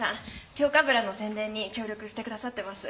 京かぶらの宣伝に協力してくださってます。